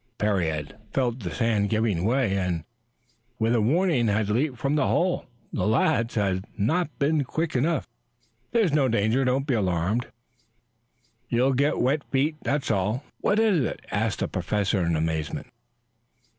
Parry had felt the sand giving way, and with a warning had leaped from the hole. The lads had not been quick enough. "There's no danger. Don't be alarmed. You'll get wet feet, that's all." "What is it?" asked the Professor in amazement.